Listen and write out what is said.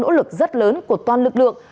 cố gắng nỗ lực rất lớn của toàn lực lượng